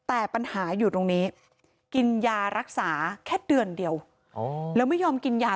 แต่ปัญหาอยู่ตรงนี้กินยารักษาแค่เดือนเดียวแล้วไม่ยอมกินยา